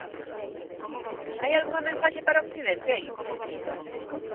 Hai algunha mensaxe para Occidente aí?